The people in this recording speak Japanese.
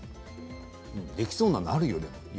できそうなの、あるよね。